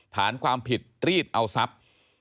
ฐานความผิดรีดเอาทรัพย์